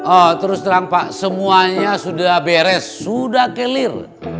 oh terus terang pak semuanya sudah beres sudah clear